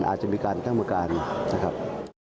อาจจะมีการท่ามการนะครับ